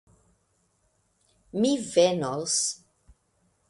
Mi venos!